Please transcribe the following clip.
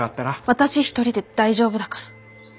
私一人で大丈夫だから。